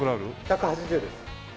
１８０です。